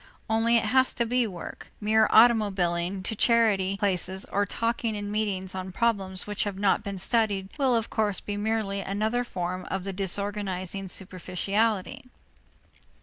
Only it has to be work; mere automobiling to charity places or talking in meetings on problems which have not been studied will, of course, be merely another form of the disorganizing superficiality.